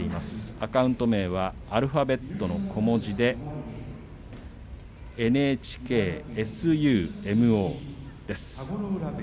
アカウント名はアルファベットの小文字でｎｈｋｓｕｍｏです。